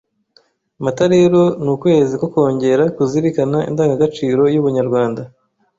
Mata rero ni ukwezi ko kongera kuzirikana indangagaciro y’ubunyarwanda